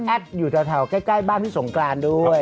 อยู่แถวใกล้บ้านพี่สงกรานด้วย